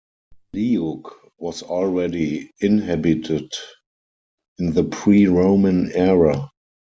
Leuk was already inhabited in the pre-Roman era.